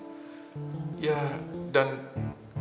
kalau yang mau diajar atau mau dicetak jadi juara cuma yang anak pinter aja